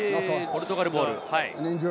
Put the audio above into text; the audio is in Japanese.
ポルトガルボール。